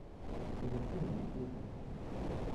Elle est présente au Cameroun.